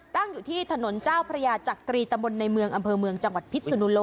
ตั้งอยู่ที่ถนนเจ้าพระยาจักรีตำบลในเมืองอำเภอเมืองจังหวัดพิษสุนุโล